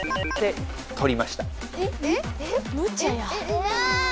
うわ！